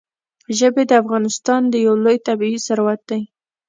ژبې د افغانستان یو لوی طبعي ثروت دی.